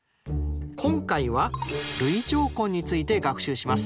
今回は累乗根について学習します。